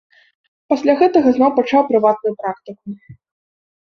Пасля гэтага зноў пачаў прыватную практыку.